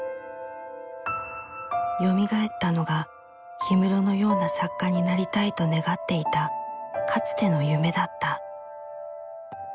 よみがえったのが氷室のような作家になりたいと願っていたかつての夢だった。